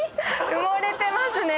埋もれてますね。